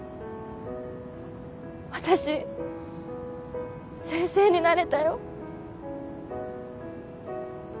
私先生になれたよ。